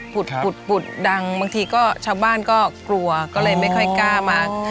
ปุดดังบางทีก็ชาวบ้านก็กลัวก็เลยไม่ค่อยกล้ามา